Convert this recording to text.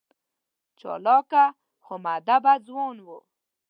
چالاکه خو مودبه ځوان و.